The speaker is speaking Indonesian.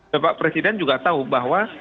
bapak presiden juga tahu bahwa